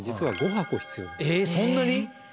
えそんなに？